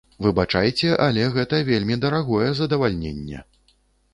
Выбачайце, але гэта вельмі дарагое задавальненне!